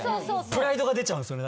プライドが出ちゃうんすよね